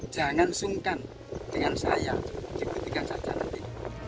jangan sungkan dengan saya dikritikan saja nanti